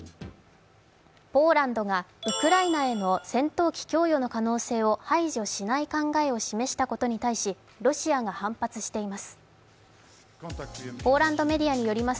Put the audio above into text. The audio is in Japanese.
ポーランドがウクライナへの戦闘機供与の可能性を排除しない考えを示したことに対しロシアが反発しています。